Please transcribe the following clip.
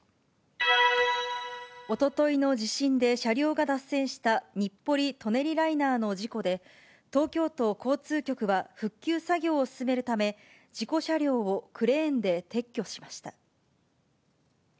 おとといの地震で車両が脱線した日暮里・舎人ライナーの事故で、東京都交通局は復旧作業を進めるため、事故車両をクレーンで撤去しました。